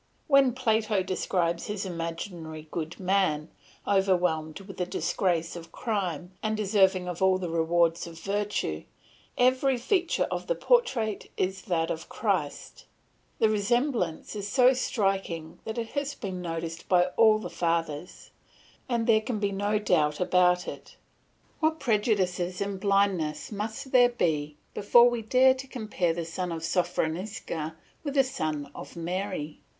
When Plato describes his imaginary good man, overwhelmed with the disgrace of crime, and deserving of all the rewards of virtue, every feature of the portrait is that of Christ; the resemblance is so striking that it has been noticed by all the Fathers, and there can be no doubt about it. What prejudices and blindness must there be before we dare to compare the son of Sophronisca with the son of Mary.